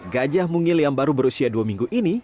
gajah mungil yang baru berusia dua minggu ini